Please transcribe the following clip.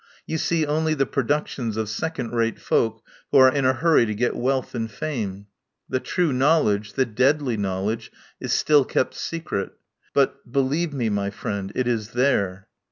You see only the productions of second rate folk who are in a hurry to get wealth and fame. The true knowledge, the deadly knowledge, is still kept secret. But, believe me, my friend, it is there."